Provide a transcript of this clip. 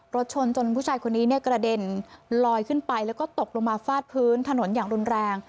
รถชนจนผู้ชายคนนี้เนี่ยกระเด็นลอยขึ้นไปแล้วก็ตกลงมาฟาดพื้นถนนอย่างรุนแรง